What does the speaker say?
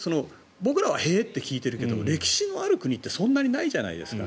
僕らはへえって聞いてるけど歴史のある国ってそんなにないじゃないですか。